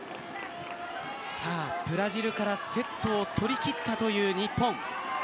ブラジルからセットを取り切ったという日本。